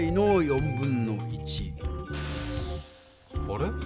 あれ？